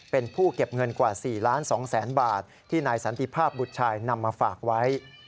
เป็นผู้เก็บเงินกว่า๔๒๐๐๐๐บาทที่นายสันติภาพบุตรชายนำมาฝากไว้